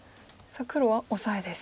黒はオサエです。